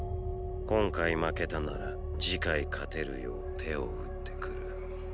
今回負けたなら次回勝てるよう手を打ってくる。